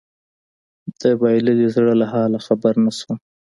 د بايللي زړه له حاله خبر نه شوم